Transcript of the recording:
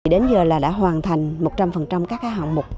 đến giờ là đã hoàn thành một trăm linh các hạng mục